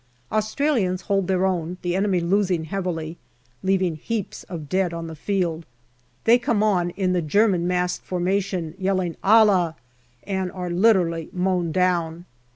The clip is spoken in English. Australians hold their own, the enemy losing heavily, leaving heaps of dead on the field. They come on in the German massed formation, yelling " Allah !" and are literally mown down.